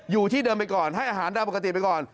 อยู่ที่เดิมไปก่อนให้อาหารตามปกติไปก่อน